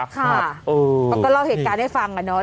เขาก็เล่าเหตุการณ์ให้ฟังอะเนาะ